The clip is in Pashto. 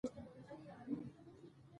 د شاتو مچیو پالنه د عاید ښه سرچینه ده.